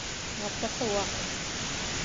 งบกระทรวง